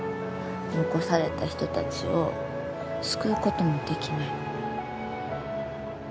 残された人たちを救う事もできない。